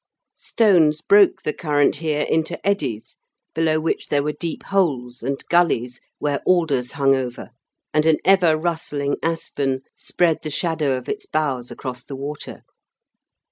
Stones broke the current here into eddies, below which there were deep holes and gullies where alders hung over, and an ever rustling aspen spread the shadow of its boughs across the water.